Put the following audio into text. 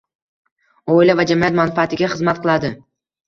oila va jamiyat manfaatiga xizmat qiladi.